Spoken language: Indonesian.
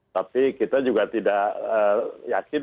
tapi kita juga tidak yakin